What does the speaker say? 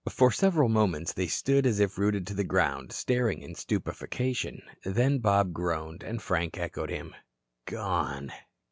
For several moments they stood as if rooted to the ground, staring in stupefaction. Then Bob groaned, and Frank echoed him. "Gone."